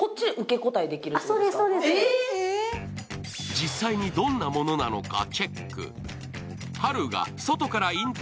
実際にどんなものなのかチェック。